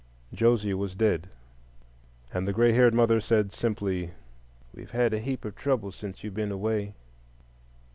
Josie was dead, and the gray haired mother said simply, "We've had a heap of trouble since you've been away."